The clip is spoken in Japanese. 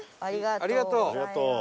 ありがとう。